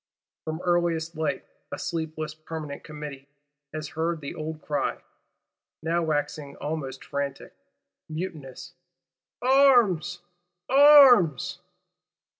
From earliest light, a sleepless Permanent Committee has heard the old cry, now waxing almost frantic, mutinous: Arms! Arms!